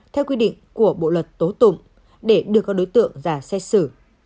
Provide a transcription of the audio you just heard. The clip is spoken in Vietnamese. theo quy định của bộ luật tố tụng để đưa các đối tượng ra xét xử